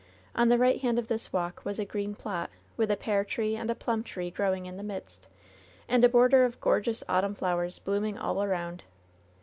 On the right hand of this walk was a green plot, with a pear tree and a plum tree growing in the midst, and a border of gor geous autumn flowers blooming all around.